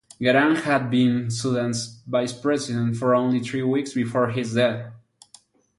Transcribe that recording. Garang had been Sudan's vice-president for only three weeks before his death.